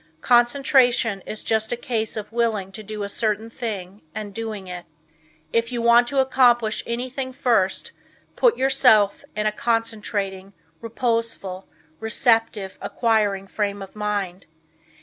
Concentration is just a case of willing to do a certain thing and doing it. If you want to accomplish anything first put yourself in a concentrating, reposeful, receptive, acquiring frame of mind.